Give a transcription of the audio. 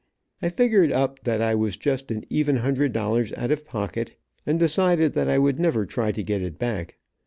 I figured up that I was just an even hundred dollars out of pocket, and decided that I would never try to get it back.